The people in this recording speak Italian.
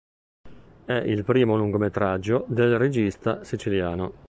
È il primo lungometraggio del regista siciliano.